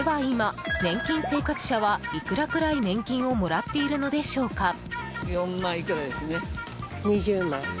今、年金生活者はいくらくらい年金をもらっているのでしょうか。